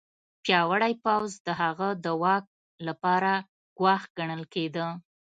پیاوړی پوځ د هغه د واک لپاره ګواښ ګڼل کېده.